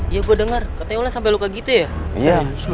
iya gue denger katanya wulan sampe luka gitu ya